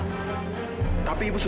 tapi ibu sudah beritahu